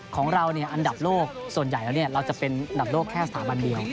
ของเราอันดับโลกส่วนใหญ่แล้วเราจะเป็นอันดับโลกแค่สถาบันเดียว